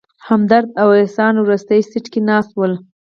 همدرد او احسان وروستي سیټ کې ناست ول.